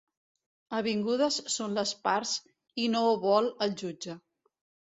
Avingudes són les parts, i no ho vol el jutge.